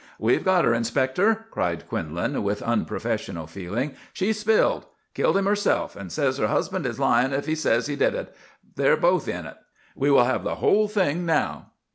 "We've got her, Inspector!" cried Quinlan with unprofessional feeling. "She's 'spilled.' Killed him herself, and says her husband is lying if he says he did it. They're both in it. We will have the whole thing now."